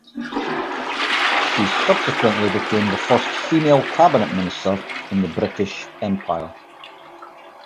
She subsequently became the first female cabinet minister in the British Empire.